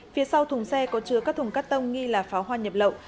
phía sau thùng xe có chứa các thùng cắt tông nghi là pháo hoa nhập lậu